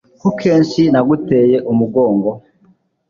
ko kenshi naguteye umugongo